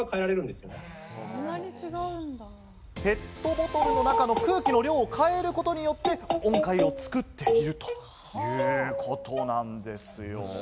ペットボトルの中の空気の量を変えることによって音階を作っているということなんですよ。